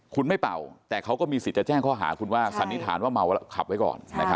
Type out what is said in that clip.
คุณไม่เป่าแต่เขาก็มีสิทธิ์จะแจ้งข้อหาคุณว่าสันนิษฐานว่าเมาแล้วขับไว้ก่อน